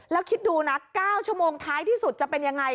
แล้วคิดดูนะ๙ชั่วโมงท้ายที่สุดจะเป็นยังไง